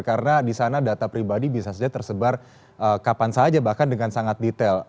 karena di sana data pribadi bisa saja tersebar kapan saja bahkan dengan sangat detail